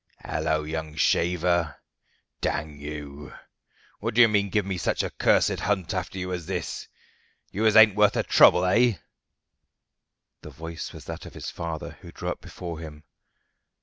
"Halloa, young shaver! Dang you! What do you mean giving me such a cursed hunt after you as this you as ain't worth the trouble, eh?" The voice was that of his father, who drew up before him.